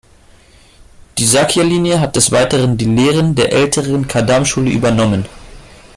Die Sakya-Linie hat des Weiteren die Lehren der älteren Kadam-Schule übernommen.